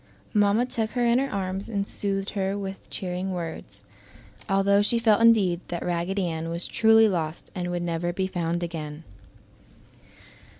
Mamma took her in her arms and soothed her with cheering words, although she felt indeed that Raggedy Ann was truly lost and would never be found again.